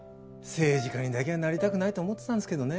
政治家にだけはなりたくないと思ってたんですけどね